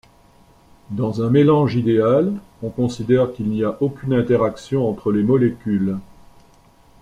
Dans un mélange idéal, on considère qu'il n'y a aucune interaction entre les molécules.